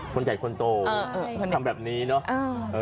คนใหญ่คนโตทำแบบนี้เนอะ